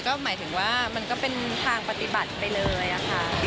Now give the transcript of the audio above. ก็หมายถึงว่ามันก็เป็นทางปฏิบัติไปเลยค่ะ